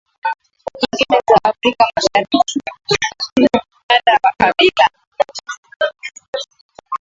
nyingine za afrika mashariki mfano uganda makabila